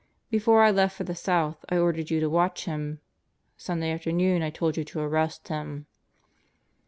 Before I left for the South I ordered you to watch him. Sunday afternoon I told you to arrest him."